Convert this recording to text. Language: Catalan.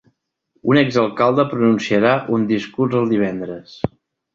Un exalcalde pronunciarà un discurs el divendres.